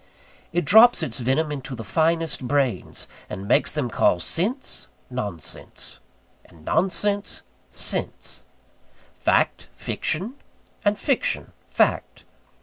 It drops its venom into the finest brains; and makes them call sense, nonsense; and nonsense, sense; fact, fiction; and fiction, fact.